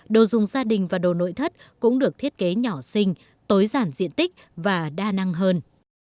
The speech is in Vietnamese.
đồ dùng gia đình và đồ nội thất cũng được thiết kế nhỏ sinh tối giản diện tích và đa năng hơn